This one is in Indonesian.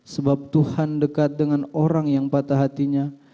sebab tuhan dekat dengan orang yang patah hatinya